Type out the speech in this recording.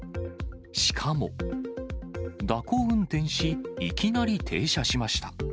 しかも、蛇行運転し、いきなり停車しました。